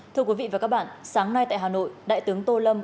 thưa quý vị và các bạn sáng nay tại hà nội đại tướng tô lâm